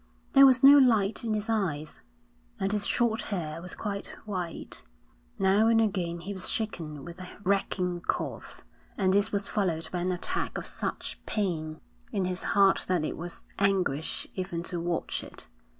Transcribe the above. There was no light in his eyes, and his short hair was quite white. Now and again he was shaken with a racking cough, and this was followed by an attack of such pain in his heart that it was anguish even to watch it.